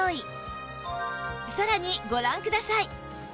さらにご覧ください